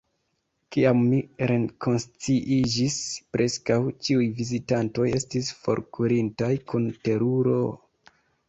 Kiam mi rekonsciiĝis, preskaŭ ĉiuj vizitantoj estis forkurintaj kun teruro...